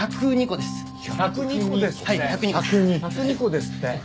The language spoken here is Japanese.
１０２個ですって。